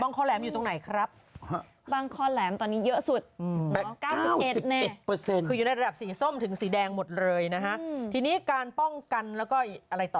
มองข้อแหลมอยู่ตรงไหนครับมองข้อแหลมตอนนี้เยอะสุด๙๐แน็ต